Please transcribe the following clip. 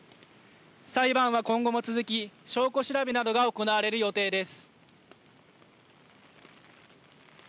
裁判は今後も続き、証拠調べなどが行われる予定です。